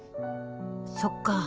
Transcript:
そっか。